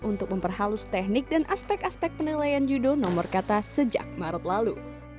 untuk memperhalus teknik dan aspek aspek penilaian judo nomor kata sejak maret lalu